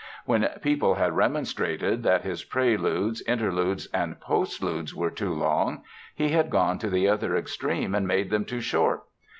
When people had remonstrated that his preludes, interludes and postludes were too long, he had gone to the other extreme and made them too short.